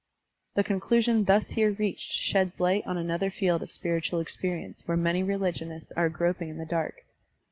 The conclusion thus here reached sheds light on another field q( spiritual experience where many religionists aye groping in the dark.